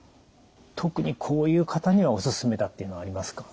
特にこういう方にはおすすめだっていうのはありますか？